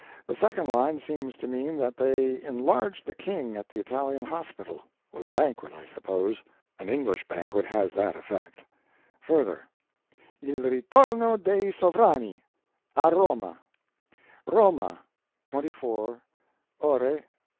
The second line seems to mean that they enlarged the King at the Italian hospital. With a banquet, I suppose. An English banquet has that effect. Further: Il ritorno dei sovrani a Roma ROMA, 24, ore 22,50.